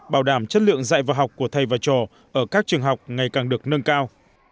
bảo đảm chất lượng dạy và học của thầy và trò ở các trường học ngày càng được nâng cao